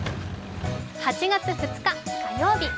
８月２日火曜日。